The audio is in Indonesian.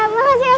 makasih ya pak